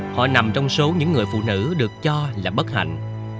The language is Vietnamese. họ nằm trong số những người phụ nữ được cho là bất hạnh